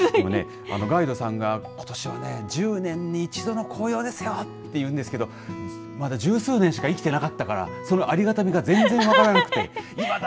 ガイドさんが、ことしは１０年に一度の紅葉ですよと言うんですけど１０数年しか生きてなかったからそのありがたみが全然わからなくて。